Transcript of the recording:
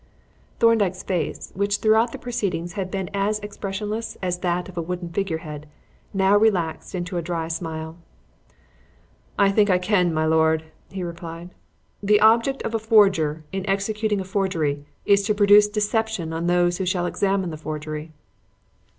Thorndyke's face, which throughout the proceedings had been as expressionless as that of a wooden figurehead, now relaxed into a dry smile. "I think I can, my lord," he replied. "The object of a forger in executing a forgery is to produce deception on those who shall examine the forgery."